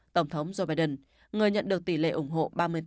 tổng thống joe biden người nhận được tỷ lệ ủng hộ ba mươi tám